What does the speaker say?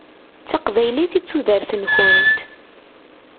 D taqbaylit i d tudert-nkent.